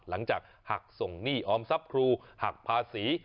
หลังจากหักส่งหนี้ออมทรัพย์ครูหักภาษี